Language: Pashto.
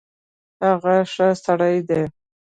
هغه ښۀ سړی ډی